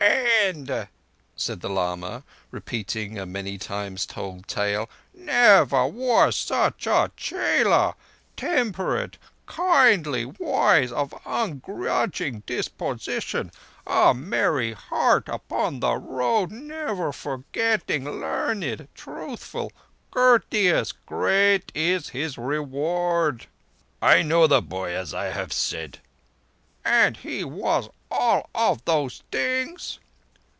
"And," said the lama, repeating a many times told tale, "never was such a chela. Temperate, kindly, wise, of ungrudging disposition, a merry heart upon the road, never forgetting, learned, truthful, courteous. Great is his reward!" "I know the boy—as I have said." "And he was all those things?"